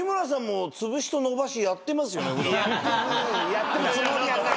やってるつもりはない。